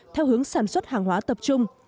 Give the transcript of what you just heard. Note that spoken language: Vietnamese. theo hướng sản xuất hàng hóa tập trung